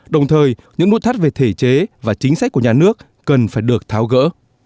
đồng thời những nút thắt về thể chế và chính sách của nhà nước cần phải được tháo gỡ